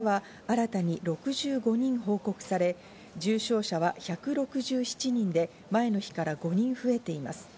全国で亡くなった方は新たに６５人報告され、重症者は１６７人で、前の日から５人増えています。